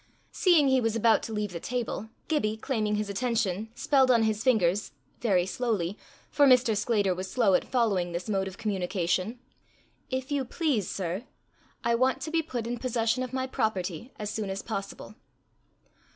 Seeing he was about to leave the table, Gibbie, claiming his attention, spelled on his fingers, very slowly, for Mr. Sclater was slow at following this mode of communication: "If you please, sir, I want to be put in possession of my property as soon as possible."